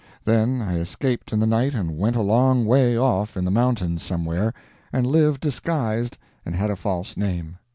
Then I escaped in the night and went a long way off in the mountains somewhere, and lived disguised and had a false name.